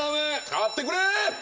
勝ってくれ！